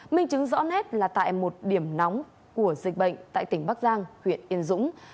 minh chứng rõ nét là tại một điểm nóng của dịch bệnh tại tỉnh bắc giang huyện yên dũng